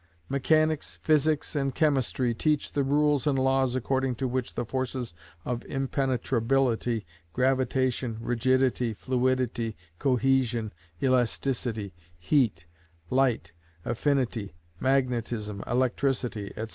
Mechanics, physics, and chemistry teach the rules and laws according to which the forces of impenetrability, gravitation, rigidity, fluidity, cohesion, elasticity, heat, light, affinity, magnetism, electricity, &c.